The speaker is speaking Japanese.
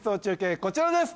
こちらです